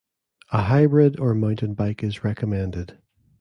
A hybrid or mountain bike is recommended.